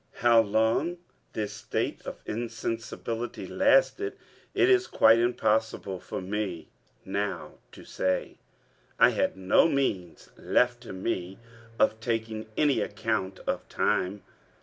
How long this state of insensibility lasted, it is quite impossible for me now to say. I had no means left to me of taking any account of time.